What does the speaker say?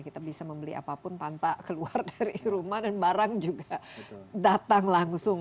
kita bisa membeli apapun tanpa keluar dari rumah dan barang juga datang langsung